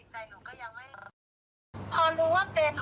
พอรู้ว่าเป็นโควิดแล้วมันก็รู้สึกเยอะแล้ว